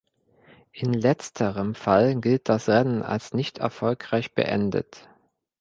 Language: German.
In letzterem Fall gilt das Rennen als nicht erfolgreich beendet.